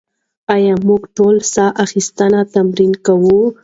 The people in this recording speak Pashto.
ایا موږ ټول ساه اخیستنې تمرین کوو؟